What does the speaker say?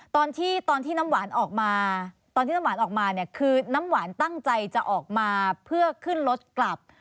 ตอนที่น้ำหวานออกมาคือน้ำหวานตั้งใจจะออกมาเพื่อขึ้นรถกลับ